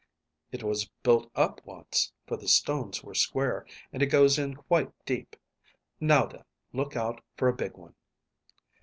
"It was built up once, for the stones were square, and it goes in quite deep. Now, then, look out for a big one."